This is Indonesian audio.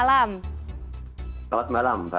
selamat malam pak